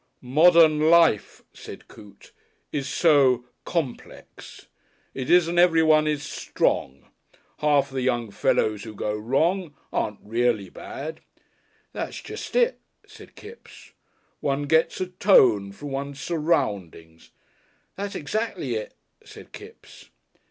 "Modern life," said Coote, "is so complex. It isn't everyone is Strong. Half the young fellows who go wrong, aren't really bad." "That's jest it," said Kipps. "One gets a tone from one's surroundings " "That's exactly it," said Kipps.